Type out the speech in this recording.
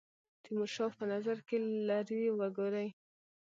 تیمورشاه په نظر کې لري وګوري.